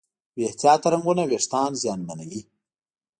بې احتیاطه رنګونه وېښتيان زیانمنوي.